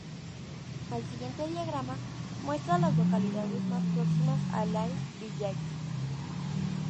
El siguiente diagrama muestra a las localidades más próximas a Lime Village.